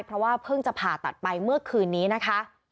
เพราะว่าเพิ่งจะผ่าตัดไปเมื่อคืนนี้นะคะ